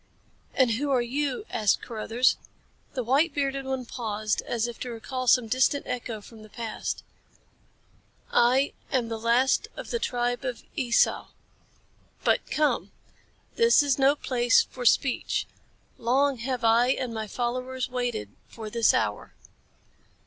"And who are you?" asked Carruthers. The white bearded one paused as if to recall some distant echo from the past. "I am the last of the tribe of Esau. But come! This is no place for speech. Long have I and my followers waited for this hour."